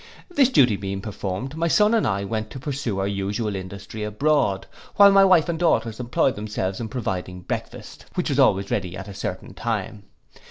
This duty being performed, my son and I went to pursue our usual industry abroad, while my wife and daughters employed themselves in providing breakfast, which was always ready at a certain time.